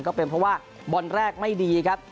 ก็เป็นเพราะว่าบอลแรกไม่ดีครับ